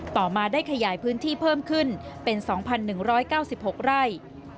ต่อมาได้ขยายพื้นที่เพิ่มขึ้นเป็น๒๑๙๖ไร่